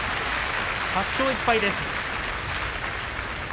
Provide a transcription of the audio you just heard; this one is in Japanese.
８勝１敗です。